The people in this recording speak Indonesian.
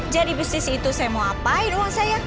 jadi bisnis itu saya mau apain uang saya